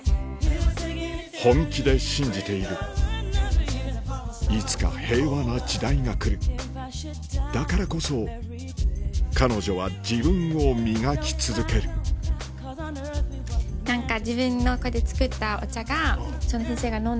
本気で信じているいつか平和な時代が来るだからこそ彼女は自分を磨き続けるアハハ！